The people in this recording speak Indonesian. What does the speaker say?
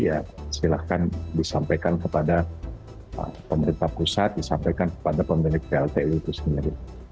ya silahkan disampaikan kepada pemerintah pusat disampaikan kepada pemilik pltu itu sendiri